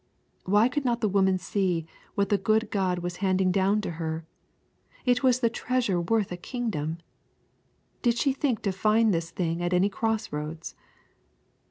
Why could not the woman see what the good God was handing down to her? It was the treasure worth a kingdom. Did she think to find this thing at any crossroads?